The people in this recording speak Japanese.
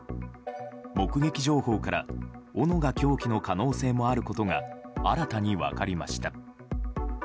目撃情報からおのが凶器の可能性もあることが新たに分かりました。